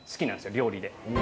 料理で。